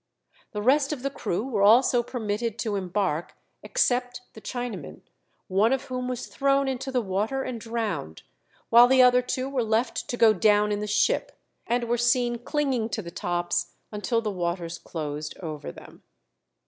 The rest of the crew were also permitted to embark, except the Chinamen, one of whom was thrown into the water and drowned, while the other two were left to go down in the ship, and were seen clinging to the tops until the waters closed over them.